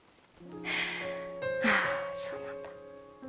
ハァそうなんだ。